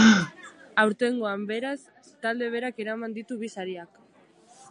Aurtengoan, beraz, talde berak eraman ditu bi sariak.